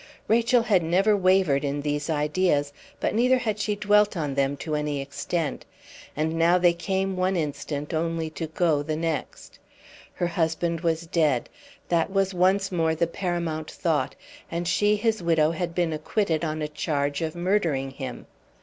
Rachel had never wavered in these ideas, but neither had she dwelt on them to any extent, and now they came one instant only to go the next. Her husband was dead that was once more the paramount thought and she his widow had been acquitted on a charge of murdering him.